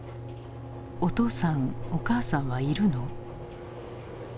「お父さんお母さんはいるの？」。